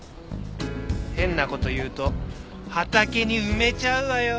変な事言うと畑に埋めちゃうわよ。